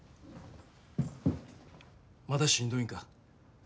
まだ、しんどいんか？